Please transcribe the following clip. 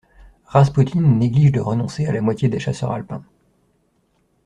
Raspoutine néglige de renoncer à la moitié des chasseurs alpins.